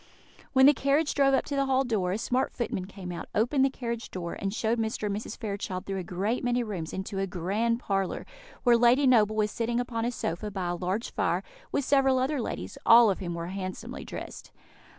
When the carriage drove up to the hall door, a smart footman came out, opened the carriage door, and showed Mr. and Mrs. Fairchild through a great many rooms into a grand parlour, where Lady Noble was sitting upon a sofa, by a large fire, with several other ladies, all of whom were handsomely dressed.